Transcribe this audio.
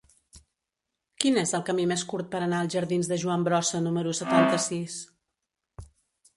Quin és el camí més curt per anar als jardins de Joan Brossa número setanta-sis?